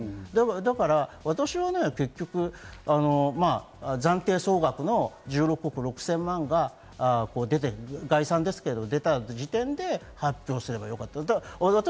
だから私は暫定総額の１６億５０００万が概算ですけれども出た時点で発表すればよかった。